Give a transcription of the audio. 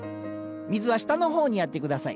水は下の方にやって下さい。